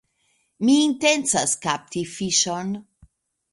Mi intencas kapti fiŝon.